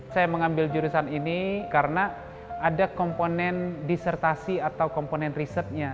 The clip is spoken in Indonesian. saya mengambil jurusan ini karena ada komponen disertasi atau komponen risetnya